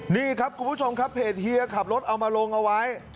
นี่ครับคุณผู้ชมครับเพจเฮียขับรถเอามาลงเอาไว้